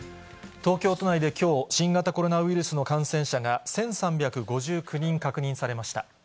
東京都内できょう、新型コロナウイルスの感染者が１３５９人確認されました。